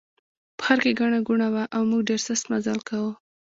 په ښار کې هم ګڼه ګوڼه وه او موږ ډېر سست مزل کاوه.